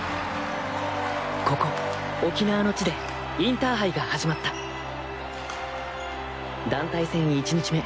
ここ沖縄の地でインターハイが始まった団体戦１日目